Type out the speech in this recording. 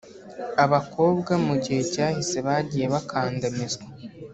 abakobwa mu gihe cyahise bagiye bakandamizwa,